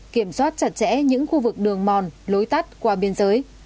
kiểm soát chặt chẽ những khu vực đường mòn lối tắt qua biên giới